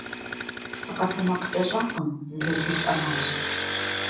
СыкъэтэмакъкӀэщӀакъым, зызэтесӀыгъащ.